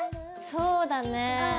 そうだねぇ。